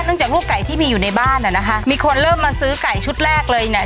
จากลูกไก่ที่มีอยู่ในบ้านอ่ะนะคะมีคนเริ่มมาซื้อไก่ชุดแรกเลยเนี่ย